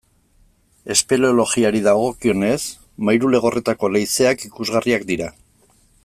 Espeleologiari dagokionez, Mairuelegorretako leizeak ikusgarriak dira.